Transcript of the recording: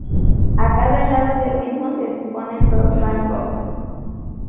A cada lado del mismo se disponen dos bancos.